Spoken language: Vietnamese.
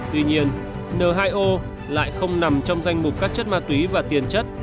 tuy nhiên n hai o lại không nằm trong danh mục các chất ma túy và tiền chất